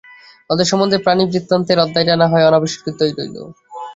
ওঁদের সম্বন্ধে প্রাণি-বৃত্তান্তের অধ্যায়টা নাহয় অনাবিষ্কৃতই রইল।